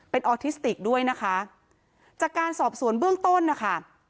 เป็นออทิสติกด้วยนะคะจากการสอบสวนเบื้องต้นนะคะ